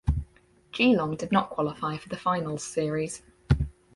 Geelong did not qualify for the finals series.